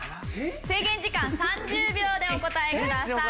制限時間３０秒でお答えください。